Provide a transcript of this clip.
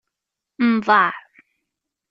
Nḍaε.